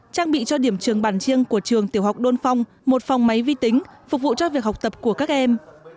trang bị cho điểm trường bản chiêng của trường tiểu học đôn phong một phòng máy vi tính phục vụ cho việc học tập của các em